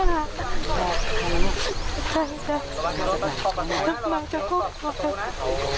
ใครจะมาเจ้าโทรคุยกัน